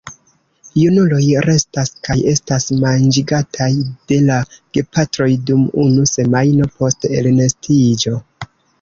Junuloj restas kaj estas manĝigataj de la gepatroj dum unu semajno post elnestiĝo.